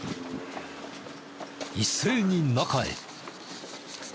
一斉に中へ。